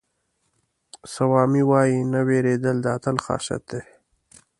سوامي وایي نه وېرېدل د اتل خاصیت دی.